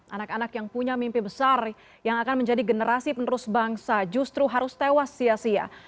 anak anak yang punya mimpi besar yang akan menjadi generasi penerus bangsa justru harus tewas sia sia